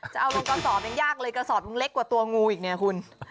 จะเอาลงกระสอบยังยากเลยกระสอบยังเล็กกว่าตัวงูอีกเนี่ยคุณ